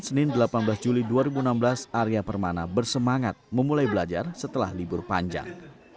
senin delapan belas juli dua ribu enam belas arya permana bersemangat memulai belajar setelah libur panjang